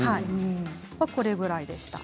これぐらいでした。